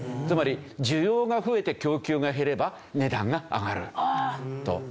つまり需要が増えて供給が減れば値段が上がると。